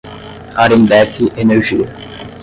Arembepe Energia